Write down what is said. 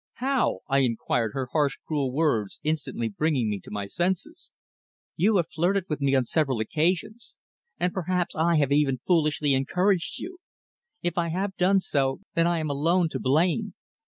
"How?" I inquired, her harsh, cruel words instantly bringing me to my senses. "You have flirted with me on several occasions, and perhaps I have even foolishly encouraged you. If I have done so, then I am alone to blame.